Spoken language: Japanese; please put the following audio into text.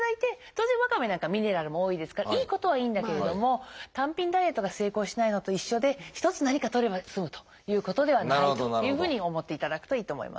当然ワカメなんかはミネラルも多いですからいいことはいいんだけれども単品ダイエットが成功しないのと一緒で一つ何かとれば済むということではないというふうに思っていただくといいと思います。